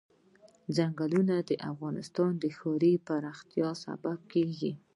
ځنګلونه د افغانستان د ښاري پراختیا سبب کېږي.